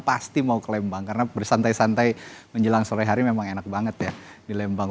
pasti mau ke lembang karena bersantai santai menjelang sore hari memang enak banget ya di lembang